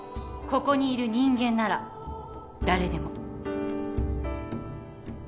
ここにいる人間なら誰でも。